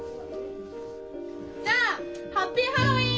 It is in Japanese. じゃあハッピーハロウィーン！